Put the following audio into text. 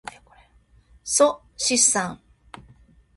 っそしっさん。